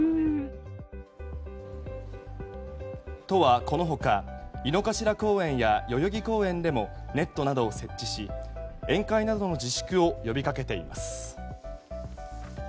都はこの他井の頭公園や代々木公園でもネットなどを設置し、宴会などの自粛を呼びかけています。